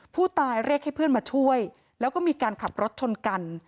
เรียกให้เพื่อนมาช่วยแล้วก็มีการขับรถชนกัน